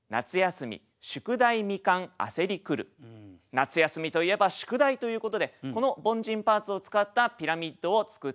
夏休みといえば「宿題」ということでこの凡人パーツを使ったピラミッドを作っていきたいと思います。